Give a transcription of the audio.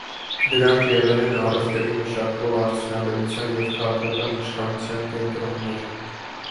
Դրանք եղել են առևտրի, մշակող արդյունաբերության և քաղաքական իշխանության կենտրոններ։